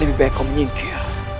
lebih baik kau menyingkir